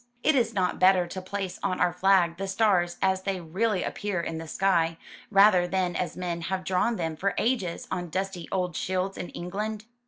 Is it not better to place on our flag the stars as they really appear in the sky, rather than as men have drawn them for ages on dusty old shields in England?''